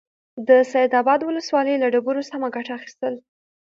د سيدآباد ولسوالۍ له ډبرو سمه گټه اخيستل: